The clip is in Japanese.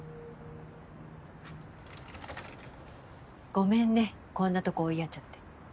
ごめんねこんなとこ追いやっちゃって。